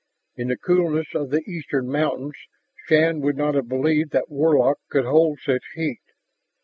In the coolness of the eastern mountains Shann would not have believed that Warlock could hold such heat.